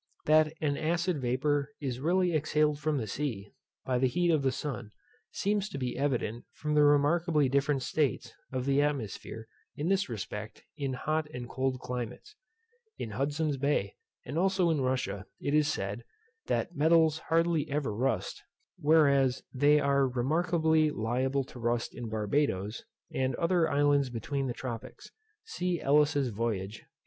That an acid vapour is really exhaled from the sea, by the heat of the sun, seems to be evident from the remarkably different states of the atmosphere, in this respect, in hot and cold climates. In Hudson's bay, and also in Russia, it is said, that metals hardly ever rust, whereas they are remarkably liable to rust in Barbadoes, and other islands between the tropics. See Ellis's Voyage, p.